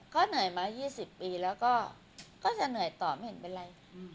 ก็เหนื่อยมา๒๐ปีแล้วก็จะเหนื่อยต่อไม่เห็นเป็นไร